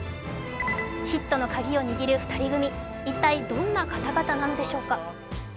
ヒットの鍵を握る２人組一体、どんな方々なのでしょうか。